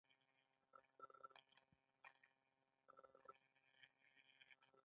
زه غواړم وطن مې تل قوي، خوندي او خوشحال وي.